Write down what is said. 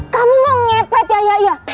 kamu mau ngepet yaya